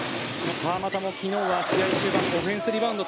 川真田も昨日は試合終盤オフェンスリバウンド